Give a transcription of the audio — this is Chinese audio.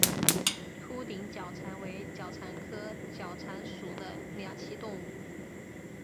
凹顶角蟾为角蟾科角蟾属的两栖动物。